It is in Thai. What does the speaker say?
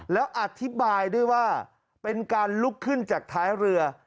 แล้วอธิบายด้วยว่าเป็นการลุกขึ้นจากท้ายเรือ